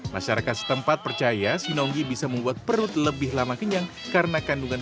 masyarakat setempat percaya sinonggi bisa membuat perut lebih lama kenyang karena kandungan